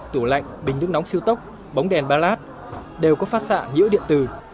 tủ lạnh bình nước nóng siêu tốc bóng đèn ba lát đều có phát sạ nhiễu điện tử